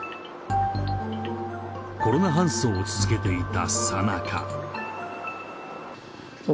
コロナ搬送を続けていた